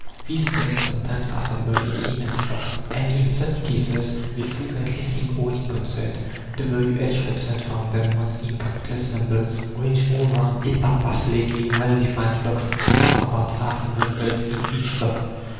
These birds sometimes assemble in immense flocks, and in such cases they frequently sing all in concert. W.H. Hudson found them once in countless numbers, ranged all round a pampas lake in well defined flocks, of about 500 birds in each flock.